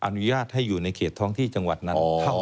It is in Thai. อนุญาตให้อยู่ในเขตท้องที่จังหวัดนั้น